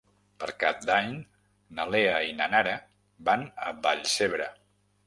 Per Cap d'Any na Lea i na Nara van a Vallcebre.